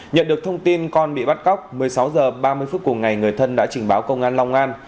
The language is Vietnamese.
nhận được thông tin con bị bắt cóc một mươi sáu h ba mươi phút cùng ngày người thân đã trình báo công an long an